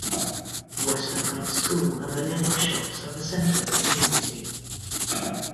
Western Heights School and the nearby shops are the centre of the community.